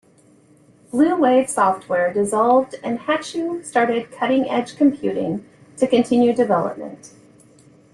Blue Wave Software dissolved and Hatchew started Cutting Edge Computing to continue development.